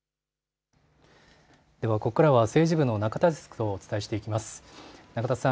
ここからは政治部の中田デスクとお伝えしていきます。